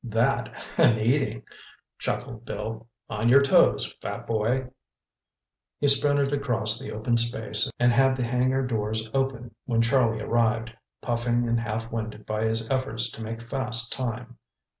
"That and eating," chuckled Bill. "On your toes, fat boy!" He sprinted across the open space and had the hangar doors open when Charlie arrived, puffing and half winded by his efforts to make fast time.